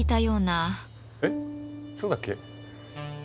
えっそうだっけ？